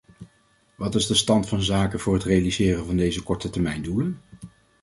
Wat is de stand van zaken voor het realiseren van deze kortetermijndoelen?